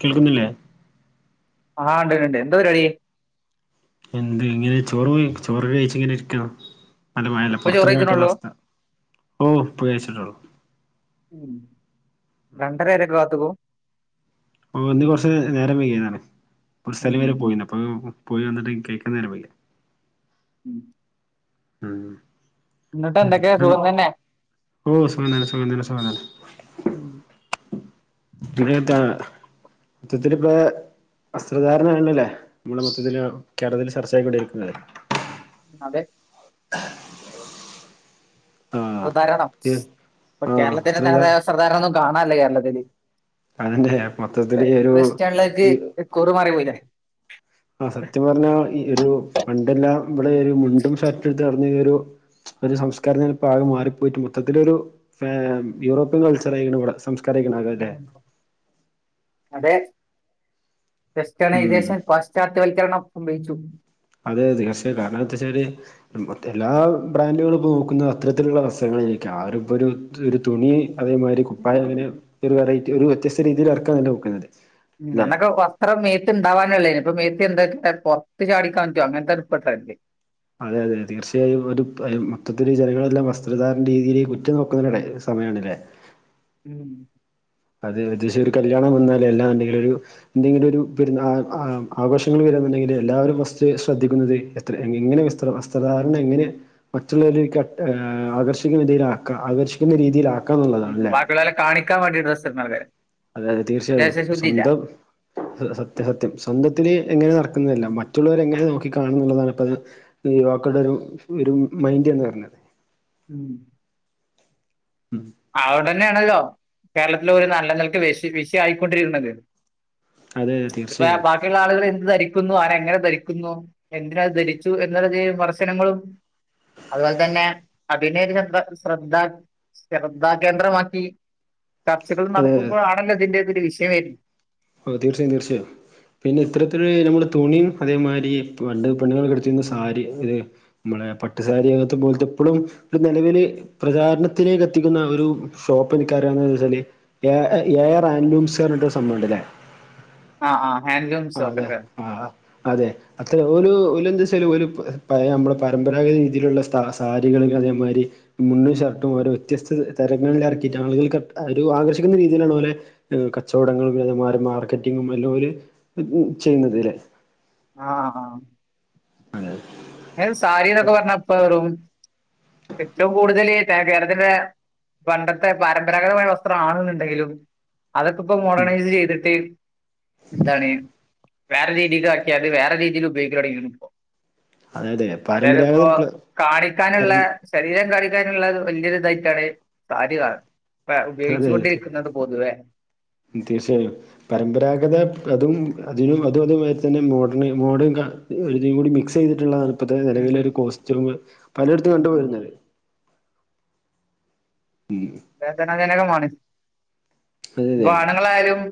കേൾക്കുന്നില്ലേ ആഹ് ഇണ്ട്ണ്ട് എന്ത പരിപാടി എന്ത് ഇങ്ങനെ ചോറ് ചോറൊക്കെ കയിച്ചിങ്ങനെ ഇരിക്കണ് നല്ലമയല്ലേ ഇപ്പൊ ചോറ് കഴിക്കണുള്ളൂ പുറത്തിക്കറങ്ങറ്റാത്തവസ്ഥ ഓഹ് ഇപ്പകയിച്ചിട്ടുള്ളൂ ഉം രണ്ടരേരെക്കെ കാത്തുക്കും ഓ ഇന്ന് കൊറച്ച് നേരം വെയ്യതാണ് ഒര്സ്ഥലം വരെ പോയിന്ന് അപ്പൊ പോയി വന്നിട്ട് കയിക്കാൻ നേരവെയകി ഉം ഉം ന്നിട്ട് ഉം. എന്തൊക്കെയാ ഉം. സുഖം തന്നെ ഓ സുഖതന്നേ സുഖതന്നെ സുഖതന്നെ ഉം. [unintelligible] മെത്തത്തില് ഇപ വസ്ത്രധാരണല്ലേ നമ്മളെ മൊത്തത്തിത്തില് കേരളത്തിൽ ചർച്ച ആയിക്കൊണ്ടിരിക്കുന്നത് അതെ ആഹ് സധരണം ഇപ്പ ആഹ് വസ്ത്രധാ കേരളത്തിന്റെതായ സാധാരണ ഒന്നുകാണാൻല്ല കേരളത്തില് അതന്നെ മൊത്തത്തില് ഒരു വെസ്റ്റണ്ടിലേക്ക് കുറ്മാറി പോയില്ലേ ആ സത്യപറഞ്ഞാ ഈ ഒരു പണ്ടെല്ലാം ഇവിടെ ഒരു മുണ്ടു ഷർട്ടടുത്തറഞ്ഞയാഞ്ഞാഒരു ഒരു സംസ്കാരംപ്പോ ആകെ മാറിപ്പോയിട്ട് മൊത്തത്തിലരു യൂറോപ്യൻ കൾച്ചർ ആയിക്ക്ണ് ഇവിടെ നമസ്കരായ്ക്കണ അതെ [unintelligible] ഉം [inaudible] പാശ്ചാത്യവൽക്കരണം സംഭച്ചു അതെ ദിവസ കാരനെന്താച്ചാൽ എല്ലാ ബ്രാൻഡുകളും ഇപ്പോനോക്കുന്ന അത്തരത്തിലുള്ള റസങ്ങളിലരിക്കും ആരിപ്പോരു ഒരു തുണി അതേമായിരി കുപ്പായങ്ങനെ ഒരു വെറൈറ്റി ഒരു വ്യത്യസ്ത രീതിയിൽ എറക്കാൻ തന്നെ നോക്കുന്നത് ഉം അല്ലെ അനക്കെ അത്ര മേത്ത്ണ്ടാവാനുള്ളള്ളേ ഇപ്പ മേത്ത് ഉണ്ടനപ്പ പെർത്ത് ചടിക്കാൻറ്റോ അങ്ങനത്തെപ്പെട്ടതല്ലേ അതെ അതെ തീർച്ചയായും ഒരു മൊത്തത്തില് ജനങ്ങളെല്ലാം വസ്ത്രധാരണ രീതിയില കുറ്റു നോക്കുന്ന സമയണല്ലേ ഉംഹ് അതെ ഒരുദിസ ഒരു കല്യാണവന്നാല് എല്ലാ എന്തെങ്കിലൊരു എന്തെങ്കിലൊരു പെരുന്നാ ആ ആഘോഷങ്ങള് വരാന്നണ്ടെങ്കിൽ എല്ലാവരും ഫസ്റ്റ് ശ്രദ്ധിക്കുന്നത് ത്ര എങ്ങനെ വസ് വസ്ത്രധാരണ എങ്ങനെ മറ്റുള്ളവരലേക്ക് ആകർഷിക്കുന്ന രീതിയിലാക്ക ആകർഷിക്കുന്ന രീതിയിലാ ഉം ബാക്കിയുള്ളവരെ കാണിക്കാൻ വാണ്ടി ഡ്രസ്സിടുന്നവരെ അതെയതെ തീർച്ചയായും സ്വന്തം സത്യ സത്യം സ്വന്തത്തില് എങ്ങനെ നടക്കുന്നതല്ല മറ്റുള്ളവരെ എങ്ങനെ നോക്കി കാണു എന്നുള്ളതാണ് ഇപ്പ അത് യുവാക്കളുടെ ഒരു ഒരു മൈൻ്റ് എന്ന് പറഞ്ഞാ ഉം ഉംഹ് അഹ്ണ്ടെന്നെയാണല്ലോ കേരളത്തില ഒരു നല്ലനിൽക്ക് വിശി വിഷ്യ ആയിക്കൊണ്ടിരുന്നത് അതെ അതെ ഇപ്പ തീർച്ചയായും ബാക്കിയുള്ള ആളുകള് എന്ത് ധരിക്കുന്നു ആരെ എങ്ങനെ ധരിക്കുന്നു എന്തിനത് ധരിച്ചു എന്നുള്ളൊരി വിമർശനങ്ങളും അതുപോൽതന്നെ അഭിനയനൊരു ശദ ശ്രദ്ധ ശ്രദ്ധാ കേന്ദ്രമാക്കി ചർച്ചകൾ അതെ അതെ നടത്തുമ്പോഴാണല്ലോ ഇതിൻ്റെതൊരു വിഷയ വെരി ഓഹ് തീർച്ചയായും തീർച്ചയായും പിന്നെ ഇത്തരത്തിലൊരു നമ്മള് തുണിയും അതേമായിരി പണ്ട് പെണ്ണുങ്ങൾക്കെ എടുത്തരുന്ന സാരി ഇത് മ്മളെ പട്ടുസാരി അതോൽത്തെ പോൽത്തെ ഇപ്പളും ഒരു നെലവില് പ്രചാരണത്തിലേക്ക് എത്തിക്കുന്ന ഒരു ഷോപ്പ് എനിക്കറിയിന്നെച്ചാല് എഹ് എ ആർ ആനുംസ്ന്നറിഞ്ഞിട്ട്ഒരു സംഭവുണ്ടല്ലേ ആഹ് ആഹ് ഹെൻ്റും അതെ ആഹ് അതെ അത്ര [unintelligible] എന്താ വെച്ചല് ഒരു നമ്മളുടെ പരമ്പരാഗത രീതിയിലുള്ള സാരികൾ അതേമാതിരി മുന്നും ഷർട്ടും ഓരോ വ്യത്യസ്ത തരങ്ങളിൽ ഇറക്കിയിട്ട് ആളുകൾക്ക് ആകർഷിക്കുന്ന രീതിയിലാണ് പോലെ കച്ചവടങ്ങളും പിമാര മാർക്കറ്റിങ്ങും എല്ലോരും ചെയ്യുന്നതില്ലേ ആഹ് ആഹ് അത ത് സാരി എന്നൊക്കെ പറഞ്ഞപ്പ വറും ഏറ്റവും കൂടുതൽ കേരളത്തിന്റെ പണ്ടത്തെ പരമ്പരാഗതമായ വസ്ത്രം ആണെന്നുണ്ടെങ്കിലും അതൊക്കെ ഇപ്പ ഉം മോഡേണൈസ് ചെയ്തിട്ട് എന്താണ് വേറെ രീതില് ആക്കിയാല് വേറെ രീതിയിൽ ഉപയോഗിക്കടങ്ങ അതെതെ അതായത് ഇപ്പോ കാണിക്കാനുള്ള ശരീരം കാണിക്കാനുള്ളത് വലിയൊരു ഇതായിട്ടാണ് സാരിയാകുന്നത് അ ഉപയോഗിച്ചു അതെ അതെ കൊണ്ടിരിക്കുന്നത് പൊതുവേ തീർച്ചയായും പരമ്പരാഗത വ്രതും അതിനും അതും അതുമായി തന്നെ മോഡേൺ മോഡേൺ ഒരുഴുതിംകൂടി മിക്സ് ചെയ്തിട്ടുള്ള തണുപ്പത്തെ ഉം നിലവിലൊരു കോസ്റ്റ്യൂം പലയിടത്തും ഉം കണ്ടു ഉം പോരുന്നത് [inaudible] വേദനാജനകമാണ് അതെ ഇപ്പ അതെ ആണുങ്ങളാരും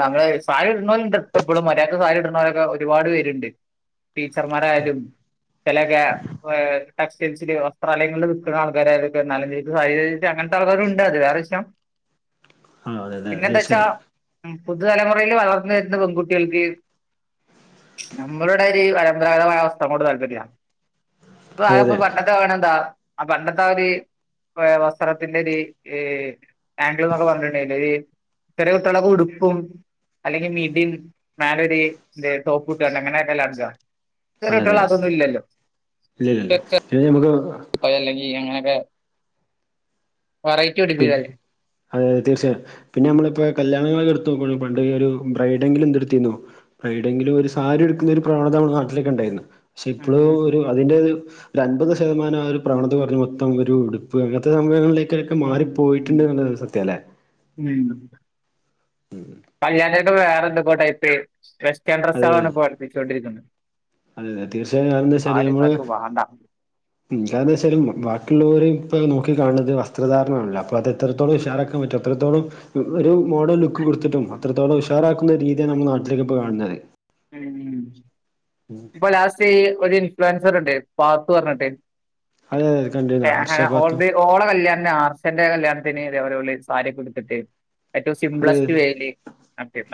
നമ്മള് സാരി ഇടുന്നവലുംണ്ട് എപ്പോഴും മര്യാദക്ക്സാ രിഇടുന്നവരൊക്കെ ഒരുപാട് പേരുണ്ട് ടീച്ചർമാരായാലും ചിലൊക്കെ ഏ ടെക്സ്റ്റൈൽസിൽ വസ്ത്രാലയങ്ങളിൽ നിൽക്കുന്ന ആൾക്കാരായി എന്നാലു [unintelligible] സ അങ്ങനത്തെ ആൾക്കാരുമുണ്ട് അത് വേറെ വിഷയം ആ അതെ അതെ പിന്നെ എന്താച്ചാ തീർച്ചയായും ഉ പുതുതലമുറയില് വളർന്നു വരുന്ന പെൺകുട്ടികൾക്ക് നമ്മളട ഒരു പരമ്പരാഗതമായ വസ്ത്രങ്ങളോട് താല്പര്യ അതെ പ്പോൊ അതെ അതെ പണ്ടത്തെ വേണന്താ ആ പണ്ടത്തെ ആ ഒരി സ്ഥലത്തിന്റെ ഒരു ആംഗിൾ എന്നൊക്കെ പറഞ്ഞിട്ടുണ്ടെില് ചെറിയ കുട്ടികളൊക്കെഉടുപ്പും അല്ലെങ്കിൽ മിഡി മേലെ ഒരു ഡോപ്പു അങ്ങനെ ഒക്കെല്ലെ നടക്ക ഇന്നത്തെ അതെ കുട്ടികൾഅതൊന്നും ഇല്ലല്ലോ ചേച്ചി നമുക്ക് അതെലങ്കിൽ അങ്ങനെ ഒക്കെ പിന്ന അതെ തീർച്ചയായും പിന്നെ നമ്മളിപ്പോൊ കല്യാണങ്ങളൊക്കെ എടുത്ത് നോക്ക പണ്ട് ഒരു ബ്രൈഡെങ്കിലും എന്ത എടുത്തിന്നോ എവിടെങ്കിലും ഒരു സാരി എടുക്കുന്ന ഒരു പ്രവണത നമ്മൾ നാട്ടിലേക്ക ഉണ്ടായിരരുന്നു പക്ഷെ ഉം ഇപ്പോഴും ഉം ഒരു അതിൻന്റെ ഒരു ഒരു അൻപത് ശതമാനം ആ ഒരു പ്രവണത പറഞ്ഞഞ് മൊത്തം ഒരു ഉടുപ്പ് അങ്ങനത്തെ സംഭവങ്ങളിലേക്ക് ഉ [unintelligible] വേറെ എന്തൊക്കോ ടൈപ്പ് വെസ്റ്റേൺ അതെ അതെ ഡ്രസാണ് പഠപ്പിച്ചോണ്ടരിക്കുന്നത് അതെ അതെ തീർച്ചയായും ഞാൻ എന്താ വെച്ചാല് നമ്മള് ആർക്കും വേണ്ട എന്താണ്വെച്ചാലും ബാക്കിയുള്ളവര് ഇപ്പൾ നോക്കി കാണുന്നത് വസ്ത്രധാരണ ആണല്ലോ അപ്പോൾ അത് എത്രത്തോളം ഇഷാറാക്കാൻ പറ്റും അത്രത്തോളം ഒരു മോഡേൺ ലുക്ക് കൊടുത്തിട്ടും അത്രത്തോളം ഉഷാറാക്കുന്ന രീതിയാണ് നമ്മൾ നാട്ടിലേക്ക് ഇപ്പോൾ കാണുന്നത് അ ഉ ഉം ഇപ്പൊ ലാസ്റ്റ് ഒരു ഇൻഫ്ലുവൻസർ ഉണ്ട് പാത്തുപറഞ്ഞിട്ട് അതെ അതെ കണ്ടിരുന്നു ഹർഷ ഹലോ പാത്തു ഓൽബീർ ഓള കല്യാണ ആർച്ചന്റെ കല്യാണത്തിന് ആർസൻ്റെ കല്യാണത്തിന് ഇതെ പോലെ സാരിക്കെ എടുത്തിട്ട് ഏറ്റവും അതെ സിംപ്ലസ്റ്റ് വെല്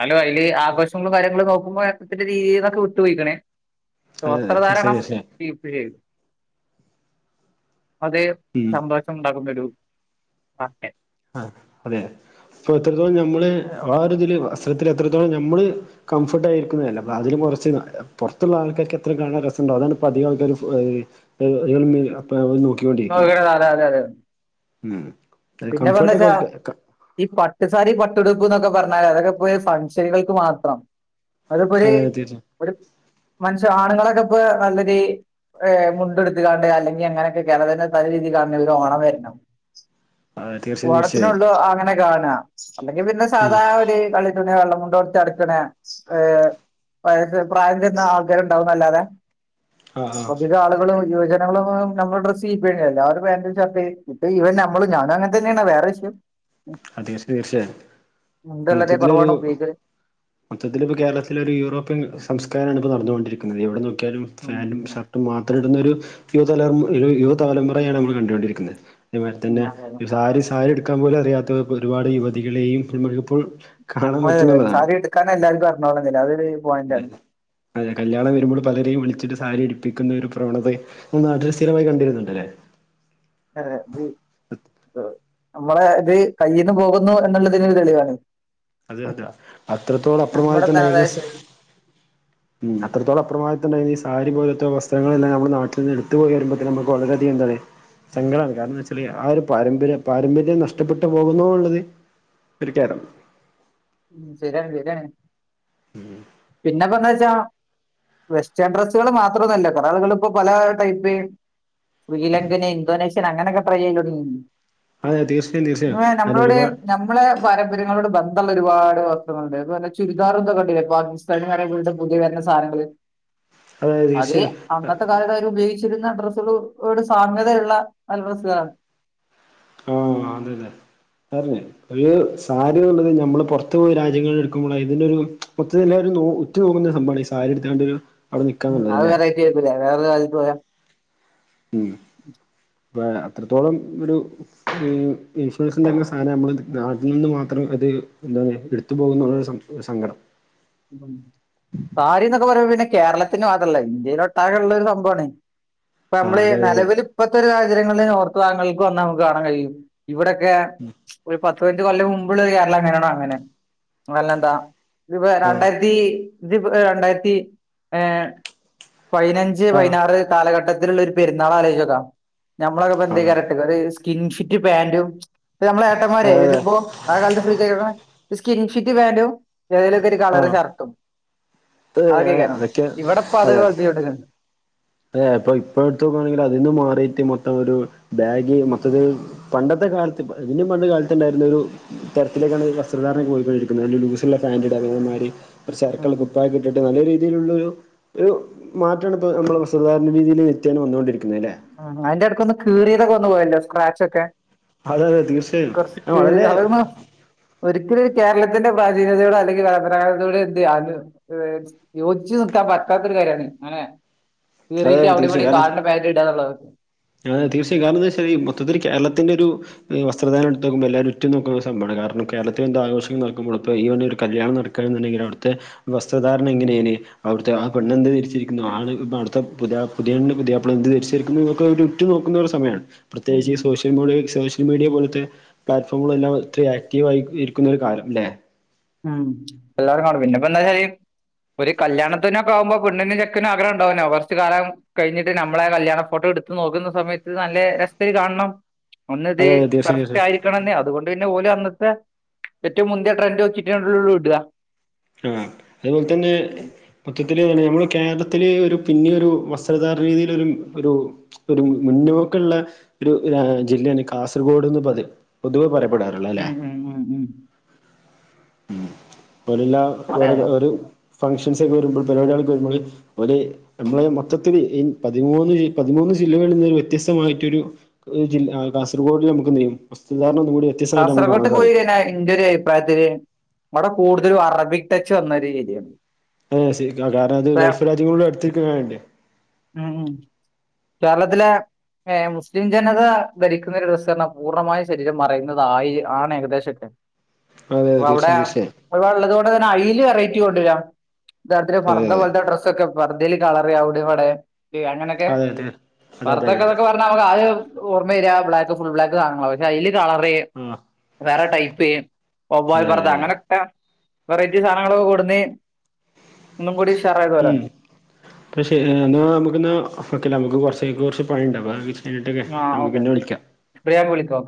ഹലോ അതില് ആഘോഷങ്ങളും കാര്യങ്ങളും നോക്കുമ്പോൾ രീതിൽന്നൊക്കെ വിട്ടുപോയിക്കണേ അതെ അതെ വസ്ത്ര തീർച്ചയായും ധാരണം തീർച്ചയായും ചെയ അതേ ഉം സംഭ [unintelligible] ഉണ്ടാക്ക്പര [unintelligible] ആ അതെ അപ്പൊ എത്രത്തോളം നമ്മള് ആ ഒരു ഇതില് വസ്ത്രത്തി എത്രത്തോളം നമ്മള് കംഫോർട്ട് ആയിരിക്കുന്നതല്ല അപ്പ അതിലും കുറച്ച് പുറത്തുള്ള ആൾക്കാർക്ക് എത്ര കാണാൻ രസംണ്ടാവും അതാണ് ഇപ്പൾ അധിക ആൾക്കാർ [unintelligible] അതെ അതെ അതെ ഉം അത് പിന്നെ കംഫർട്ട് ഒക്കെ പ്പെന്തേച്ചാ അവർക്ക് ഈ പട്ടുസാരി പട്ടെടുപ്പ് എന്നൊക്കെ പറഞ്ഞാല് അതൊക്കെ പോയി ഫൻഷനുകൾക്ക് മാത്രം അതിപ്പോരു അതെ തീർച്ചയായും ഒരു മനുഷ്യ ആണുങ്ങളൊക്കെ ഇപ്പൊ നല്ലൊരു ഏ മുണ്ട എടുത്ക്കാണ്ട് അല്ലെങ്കിൽ അങ്ങനെക്ക കേരളത്തിന്റെ തനീ രീതിൽ കാണെങ്കിൽ ഓണം വരണം അതെ തീർച്ചയായും തീർച്ചയായും ഓണത്തിനുള്ളൂ അങ്ങനെ കാണന അല്ലെങ്കിൽ പിന്നെ ഉം സാധാണ ഒരു കളി തുണിയോ വെള്ള മുണ്ടോ ടുത്തുനടക്കണേ ഏഹ് [unintelligible] പ്രായത്തിന്നും ആഗ്രഹം ഇണ്ടാവുന്നല്ലാതെ ആഹ് ആഹ് ഇയാളുകളും യുവജനങ്ങളും [unintelligible] ഞമ്മള് ഡ്രസ്സ് [unintelligible] എല്ലാരും പാന്റും ഷർട്ട് ഇട്ട് ഇവൻ ന പ്പളും ഞാന അങ്ങത്തന്നേണ് വേറെ വിഷയം ആഹ് തീർച്ചയായും തീർച്ചയായും [unintelligible] മൊത്തത്തിലൊരു കൊറവാണോ ഉപയോഗിക്കല് മൊത്തത്തില് ഇപ്പോ കേരളത്തിലൊര് യൂറോപ്യൻ സംസ്കാരാണ് ഇപ്പോ നടന്നോണ്ടിരിക്കിന്നത് എവടെ നോക്കിയാലും ഉം ഫാന്റും ഉം ഷർട്ടും മാത്രം ഇടുന്നൊരു യുവതലമു യു യുവതലമുറയാണ് അമ്മള് കണ്ടോണ്ടിരിക്കിന്നെ അത്പോലെ തന്നെ ഉം അതെ സാരി സാരി ഉടുക്കാൻ പോലും അറിയാത്ത ഇപ്പോ ഒരുപാട് യുവതികളെയും പിന്നെ വല്ലപ്പോഴും അതെയതെ സാരി ഇട്ക്കാന് എല്ലാർക്കും അറിഞ്ഞോളന്നില്ലാ അത് ഒര് ഇല്ല അത് [unintelligible] കല്യാണം വരുമ്പോളും പലരേയും വിളിച്ചിട്ട് സാരി ഇടിപ്പിക്കുന്നൊരു പ്രവണതയെ മ്മളെ നാട്ടില് സ്ഥിരമായി കണ്ടിരുന്നുണ്ടല്ലേ അറിയാ ഇത് ആഹ് അമ്മളെ ഇത് കയ്യിന്ന് പോകുന്നു എന്നുള്ളതിന് തെളിവാണ് അതെ അതെ അത്രത്തോളം നമ്മുടെ [unintelligible] ഇണ്ടായിരുന്നു തനതായ ശൈലി ഉം അത്രത്തോളം അപ്രമായിത്തണ്ടേനി ഈ സാരി പോലത്തെ വസ്ത്രളെല്ലാം ഞമ്മളെ നാട്ടിന്ന് ഇട്ത്ത് പോയി പറിയ്മ്പത്തന്നെ ഞമ്മക്ക് വളരെ അധികം എന്താണ് സങ്കടാണ് കാരണെന്താച്ചാല് ആ ഒരു പാരമ്പര്യം പാരമ്പര്യം നഷ്ടപ്പെട്ടു പോകുന്നു ഉള്ളത് ഒരു ഖേദം ഉം ശരിയാണ് ശരിയാണ് ഉം പിന്നെ ഇപ്പെന്താച്ചാ വെസ്റ്റേൺ ഡ്രസ്സ്കള് മാത്രൊന്നല്ല കൊറേ ആളുകള് ഇപ്പോ പലേ ടൈപ്പ് ശ്രീലങ്കന് ഇന്തോനേഷ്യൻ അങ്ങനൊക്കെ ട്രൈയ്യെയ്യലൊടങ്ങി അതെ തീർച്ചയായും തീർച്ചയായും അങ്ങനെ ഒരുപാ മ്മളെ പാരമ്പര്യങ്ങളോട് ബന്ധള്ളെ ഒരുപാട് വസ്ത്രങ്ങള്ണ്ട് അതു വല്ല ചുരിദാറും ഇതൊക്കെ കണ്ടില്ലേ പാകി [unintelligible] പുതിയ വെര്ന സാനങ്ങള് അതെ അത് തീർച്ചയായും അന്നത്തെ കാലത്തഹ് ഉപയിച്ചിരുന്ന ഡ്രസ്സുകളുടെ ഒരു സാമ്യതയുള്ള നല്ല ഡ്രസ്സുകളാണ് ആഹ് അതെ അതെ ഇതാർഞ്ഞേ ഒരു സാരിയുള്ളത് ഞമ്മള് പൊറത്ത് പോയി രാജ്യങ്ങൾ ഇട്ക്ക്മ്പോളാ ഇതിനൊരു [unintelligible] റ്റ് പോകുന്നൊരു സംഭവാണ് ഈ സാരി ഇട്ത്താണ്ട് ഉം അത് വെറൈറ്റി ആയിരിക്കുല്ലേ വേറൊരു രാജ്യത്ത് പോയാ ഉം അപ്പയേ അത്രത്തോളം ഒരു ഇൻ ഇൻഫ്ലുവൻസിൻ്റെക്കെ സാനം ഞമ്മള്ത് നാട്ടി നിന്നും മാത്രം അത് എന്താണ് ഇട്ത്തു പോകുന്ന [unintelligible] സ സങ്കടം ഉ സാരിന്നൊക്കെ പറ്ഞ്ഞാ പിന്നെ കേരള ത്തിന് മാത്രല്ല ഇന്ത്യയിലൊട്ടാക്കേള്ള ഒരു സംഭവാണ് ഇപ്പൊ ആ അമ്മള് അതെ നിലവില് ഇപ്പത്തെ ഒരു സാഹചര്യങ്ങള്ല് നോർത്ത് ഭാഗങ്ങള്ക്ക് വന്നാ നമുക്ക് കാണാൻ കഴിയും ഇവടെക്കെ ഒരു പ പയിനഞ്ച് കൊല്ല മുമ്പ്ള്ളെ കേരളം എങ്ങനാണോ അങ്ങനെ എല്ലാന്താ ഇത് പേ അതെ രണ്ടായിരത്തി ഇത്പ്പോ ഏഹ് രണ്ടായിരത്തി ഏഹ് പയിനഞ്ച് ആഹ് പയിനാറ് കാലഘട്ടത്തിലുള്ളൊര് പെരുന്നാളാ ആലോയിച്ചോക്കാ ഞമ്മളൊക്കെ ആഹ് ഇപ്പന്തേക്കാരം ഇവര് സ്കിൻ ഫിറ്റ് പാന്റും ഇപ്പ ഞമ്മളെ ഏട്ടന്മാരെ ആഹ് ഇത്പ്പോ ആകാലത്ത് ഫുൾകൈള്ള സ്കിൻഫിറ്റ് പേന്റും ഏതിലക്കെ ഒരു അതെ കളർ ആഹ് ഷർട്ടും അത് അതൊകേക്കാരം അതൊക്കെ ഇവിടെപ്പ അത് അതെ [inaudible] അതെ ഇപ്പ ഇപ്പോഴത്ത [unintelligible] അതീന്ന് മാറിയിട്ട് മൊത്തം ഒരു ബാഗി മൊത്തത്തില് പണ്ടത്തെ കാലത്ത് ഇപ്പൊ അയ്നും പണ്ട് കാലത്തുണ്ടാരുന്നൊരു ഇത്തരത്തിലൊക്കാണ് വസ്ത്രധാരണം പോയിക്കൊണ്ടിരിക്കുന്നത് നല്ല ലൂസ്ള്ള പാന്റ് ഇടാ അതേമാതിരി ഒര് ചേർത്തൊള്ള ഉം കുപ്പായോക്കിട്ടിട്ട് നല്ല രീതിയിലുള്ളൊരു ഒരു മാറ്റോണിപ്പ നമ്മളെ പ്രശ് സാധാരണ രീതിയില് നിത്യേനെ വന്നാേണ്ടിരിക്കുന്നല്ലേ ആഹ് അയ്ന്റെ ഇടക്കൊന്ന് കീറിയതൊക്കെ ഒന്ന് പോയല്ലോ സ്ക്രാച്ച് ഒക്കെ അതെ അതെ തീർച്ചയായും കൊർച്ചു ആ, വളരെ കീറിയത് അതൊന്നും ഒരിക്കലും ഒരു കേരളത്തിന്റെ പ്രാചീനതയോടെ അല്ലെങ്കി പരമ്പരാഗത യൂടെയൊ ആരും എന്ത് യോജിച്ച് നിക്കാൻ പറ്റാത്തൊരു കാര്യാണ് ഇങ്ങനെ അതെ കീറീട്ട് അതെ, അവിടെവിടിം കാണെ പാന്റ് ഇടാനള്ളതാണ് അ തീർച്ചയും കാരണംന്താച്ചാൽഈ മൊത്തത്തിൽ കേരളത്തിന്റെരു വസ്ത്രധാരണ എടുത് നോക്കുമ്പോ എല്ലാരും ഉറ്റ് നോക്കുന്ന സംഭവാണ് കാരണം കേരത്തിൽ എന്ത് ആഘോഷങ്ങൾ നടക്കുമ്പോ ഇപ്പൊ ഇവിടെ ഒരു കല്യാണം നട് നിക്കണം എന്നുണ്ടങ്കിൽ അവിടെത്തെ വസ്ത്രധാരണ ഇങ്ങനേയ്നി അവിടുത്തെ ആഹ് പെണ്ണ് എന്ത് ദരിച്ചരിക്കുന്നു ആണ് ആട്ത്തെ പുതിയാ പുതിയണ്ണ് പുതിയാപ്ല എന്ത് ദരിച്ചിരിക്കുന്നു ക്കെ ഒരു റ്റു നോക്കുന്ന ഒരു സമയാണ് ഉം പ്രത്യേകിച്ച് സോഷ്യൽ മോണിയ സോഷ്യ സോഷ്യൽ മീഡിയ പോലത്തെ പ്ലാറ്റ്ഫോമുകൾ എല്ലാം ഒത്തിരി ആക്റ്റീവ് ആയിരിക്കുന്ന ഒരു കാലം ല്ലേ ഉം എല്ലാവരും കാണും പിന്നപ്പം എന്താച്ചാല് ഒരു കല്യാണത്തിനൊക്കെ ആവുമ്പോ പെണ്ണിനും ചെക്കനും ആഗ്രഹം ഇണ്ടാവൂലെ കൊർച്ച് കാലം കഴിഞ്ഞിട്ട് നമ്മളെ കല്യാണ ഫോട്ടോ എടുത്ത് നോക്കുന്ന സമയത്ത് നല്ല രസത്തില് കാണണം ഒന്ന് ഇത് അതെ അതെ തീർച്ചയായും തീർച്ചയായും കറക്ടായി ട്ട്ണന്നെ അതുകൊണ്ട് പിന്നെ ഓല് അന്നത്തെ ഏറ്റവും മുന്ത്യ ട്രന്റാേക്കി നോക്കീട്ടെള്ളൂ ഇടാ ആഹ് അതേപോൽത്തന്നെ മൊത്തത്തില് അല്ല നമ്മളെ കേരളത്തില് ഒരു പിന്നെ ഒരു വസ്ത്രധാരണ രീതിയിലൊരു ഒരു ഒരു മുൻ മുന്നോക്കള്ള ഒരു രാ ജില്ലേണ് കാസർഗോഡ്ന്ന് പതിയ പൊതുവെ പറയപ്പെടാറ് ഉം ഉം ഉം ഉം ഉം പോലല്ലാ അതെ ഒര് അതെ ഒരു ഫങ്ഷൻസ് ഒക്കെ വരുമ്പോ പരിപാടികൾക്ക് വരുമ്പള് ഒര് നമ്മളെ മൊത്തത്തിൽ ഈ പതിമൂന്ന് പതിമൂന്ന് ജില്ലകളിൽ നിന്ന് ഒരു വ്യത്യസ്തമായിട്ടൊരു ജില്ല ആ കാസർകോഡിൽ നമുക്ക്ന്തയും വസ്ത്രധാരണ ഒന്നുംകൂടി കാസർകോട്ട് പോയി കഴിഞ്ഞാൽ എന്റെ ഒരു അഭിപ്രായത്തില് ഇവടെ കൂടുതലും അറബിക് ടച്ച് വന്നൊരു ഏരിയാണ് അതെ ശരിക്കും കാരണം അത് ഗൾഫ് രാജ്യങ്ങളുടെ അടുത്തിരിക്ക്ണോണ്ട് ഉം കേരളത്തിലെ ഏഹ് മുസ്ലിം ജനത ഭരിക്കുന്ന ഒര് ദിവസാണ് പൂർണ്ണമായ ശരീരം മറയുന്നുന്നതായി ആണ് ഏകദേശൊക്കെ അതെ അതെ അപ്പ അവിടെ തീർച്ചയായും തീർച്ചയായും ഉള്ളത് കൊണ്ട് തന്നെ അയിൽ വെറൈറ്റി കൊണ്ടരാ ഇതാത്രേ അതെ പർദ്ദ അതെ പോലത്തെ ഡ്രസൊക്കെ പർദേല് കളറ് അവിടെ ഇവിടേം ഈ അങ്ങനെ ക്കെ അതെ അതെ അതെ അതെ അതെ അതെ പർതാന്നോക്കൊ പറഞ്ഞാൽ ആദ്യം ഓർമ്മ വരിക ബ്ലാക്ക് ഫുൾ ബ്ലാക്ക് സാധനങ്ങളാ അയില് കളറ് ആഹ് വേറെ ടൈപ്പ് വവ്വാൽ അതെ അതെ പർദ്ദ അതെ അങ്ങനൊക്കെ വെറൈറ്റി സാധനങ്ങളൊക്കെ കൊടുന്ന് ഒന്നും കൂടി ഉഷാറാകുവോലോ അപഷെരി എന്നാൽ നമുകന്നാ വെക്കല്ലെ നമുക്ക് കുറച്ചേക്ക് കുറച്ച് പണി ഇണ്ട ചെയിതിട്ടൊക്കെ ആ നമുക്ക് ഓക്കെ പിന്നെ വിളിക്കാം ഇപ്പൊ ഞാൻ വിളിക്കാം ഓക്കെ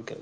ഓക്കെ